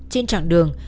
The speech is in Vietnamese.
trên trạng đường